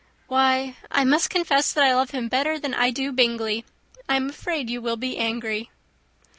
"Why, I must confess that I love him better than I do Bingley. I am afraid you will be angry."